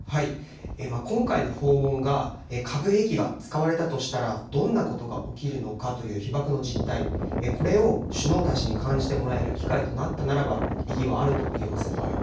今回の訪問が核兵器が使われたとしたらどんなことが起きるのかという被爆の実態、これを首脳たちに感じてもらえる機会となったならば意義はあるといえます。